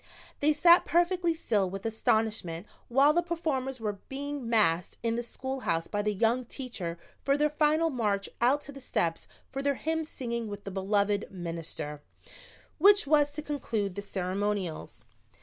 They sat perfectly still with astonishment while the performers were being massed in the schoolhouse by the young teacher for their final march out to the steps for the hymn singing with the beloved "Minister," which was to conclude the ceremonials.